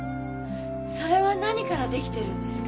それは何から出来てるんですか？